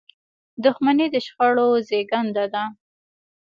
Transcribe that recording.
• دښمني د شخړو زیږنده ده.